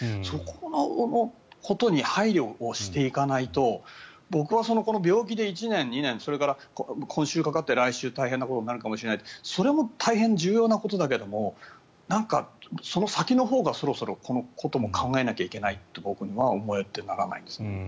そこのことに配慮をしていかないと僕はこの病気で１年２年それから今週かかって来週大変なことになるかもしれないそれも大変重要なことだけどその先のこともそろそろ考えなきゃいけないと僕には思えてならない。